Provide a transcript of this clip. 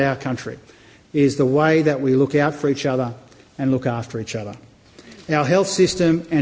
adalah cara kita melihat untuk satu sama lain dan melihat untuk satu sama lain